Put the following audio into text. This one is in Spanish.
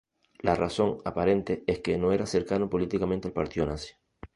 La razón aparente es que no era cercano políticamente al partido nazi.